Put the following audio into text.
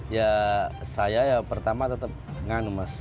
ya saya ya pertama tetap nganggemas